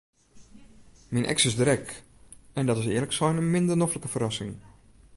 Myn eks is der ek en dat is earlik sein in minder noflike ferrassing.